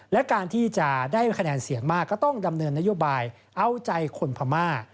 และการที่จะได้คะแนนเสียงมากก็ต้องดำเนินนโยบายเอาใจคนพม่า